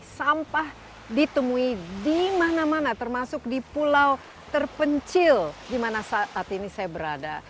sampah ditemui di mana mana termasuk di pulau terpencil di mana saat ini saya berada